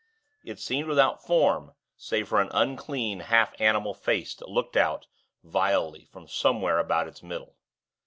It seemed without form, save for an unclean, half animal face, that looked out, vilely, from somewhere about its middle.